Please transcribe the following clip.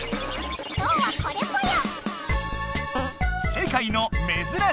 今日はこれぽよ！